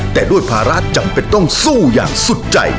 แต่ด้วยภาระจำเป็นต้องสู้อย่างสุดใจ